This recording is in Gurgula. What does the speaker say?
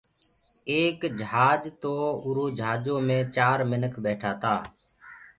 ايڪ جھاجِ تو اُرو جھآجو مي چآر منک ٻيٺآ تآ